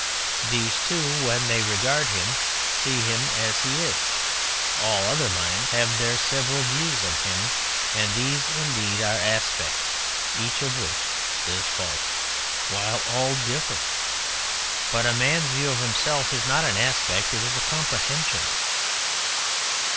These two, when they regard him, see him as he is; all other minds have their several views of him; and these indeed are "aspects," each of which is false, while all differ. But a man's view of himself is not an "aspect:" it is a comprehension.